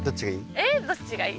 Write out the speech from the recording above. えーっどっちがいい？